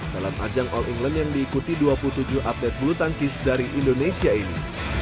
dalam ajang all england yang diikuti dua puluh tujuh atlet bulu tangkis dari indonesia ini